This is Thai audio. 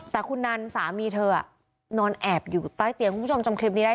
แต่คุณนันสามีเธอนอนแอบอยู่ใต้เตียงคุณผู้ชมจำคลิปนี้ได้